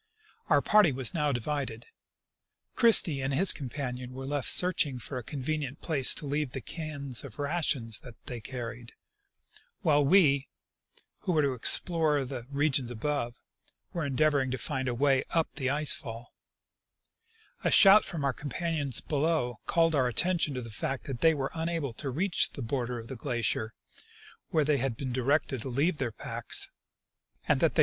Our party was now divided ; Christie and his companion were left searching for, a convenient place to leave the cans of rations they carried, while we, who were to explore the regions above, were endeavoring to find a way up the ice fall. A shout from our companions beloAV called our attention to the fact that they were unable to reach the border of the glacier, where they had been directed to leave their packs, and that they 124 I. C. Russell — Expedition to Mount St. Elias.